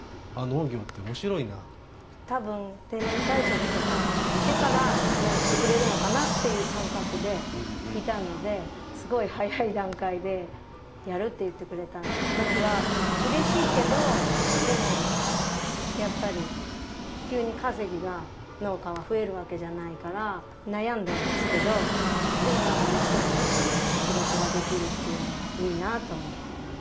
多分定年退職とかしてからやってくれるのかなっていう感覚でいたのですごい早い段階でやるって言ってくれた時はうれしいけどでもやっぱり急に稼ぎが農家は増えるわけじゃないから悩んだんですけどでもやっぱ一緒に仕事ができるっていうのはいいなと思って。